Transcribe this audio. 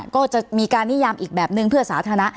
ก็จะมีการนิยามอีกแบบนึงเพื่อสาธารณะ